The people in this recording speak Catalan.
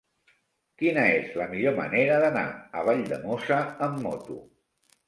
Quina és la millor manera d'anar a Valldemossa amb moto?